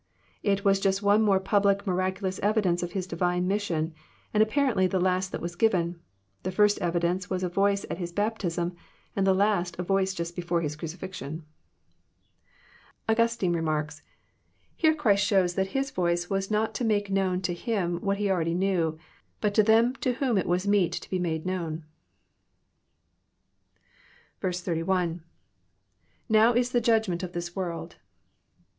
'* It was Just one more public miraculous evidence of His Divine mission, and apparently the last that was given. The first evidence was a voice at His baptism, and the last a voice Just before His crucifixion. Augustine remarks :'* Here Christ shows that his voice was not to make known to Him what He already knew, but to them to whom it was meet to be made known." 1. — [Now is ike judginent of this vntrld.'